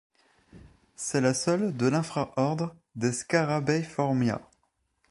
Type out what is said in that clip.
C'est la seule de l'infra-ordre des Scarabeiformia.